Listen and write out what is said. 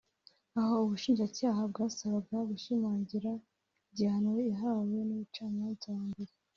aho ubushinjacyaha bwasabaga gushimangira igihano yahawe n’umucamanza wa mbere